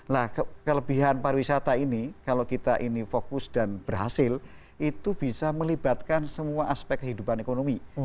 nah kelebihan pariwisata ini kalau kita ini fokus dan berhasil itu bisa melibatkan semua aspek kehidupan ekonomi